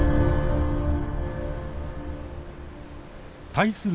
対する